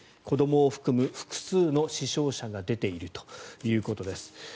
子どもを含む複数の死傷者が出ているということです。